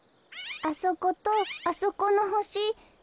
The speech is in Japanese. あそことあそこのほし。